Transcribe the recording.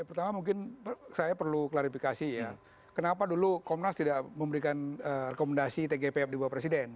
pertama mungkin saya perlu klarifikasi ya kenapa dulu komnas tidak memberikan rekomendasi tgpf di bawah presiden